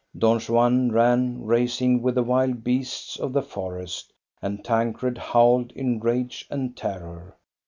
Don Juan ran, racing with the wild beasts of the forest, and Tancred howled in rage and terror.